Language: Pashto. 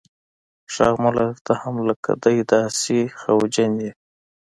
ږغ مه لره ته هم لکه دی داسي خوجن یې.